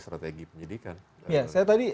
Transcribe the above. strategi penyidikan saya tadi